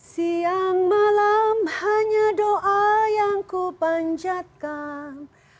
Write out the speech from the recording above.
siang malam hanya doa yang kupanjatkan